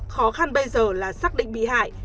khó khăn bây giờ là xác định bị hại